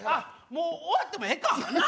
もう終わってもええかな